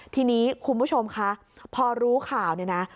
ทีนี้คุณผู้ชมคะพอรู้ข่าวเนี่ยนะ